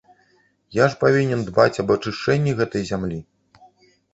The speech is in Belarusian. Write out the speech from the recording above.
Я ж павінен дбаць аб ачышчэнні гэтай зямлі.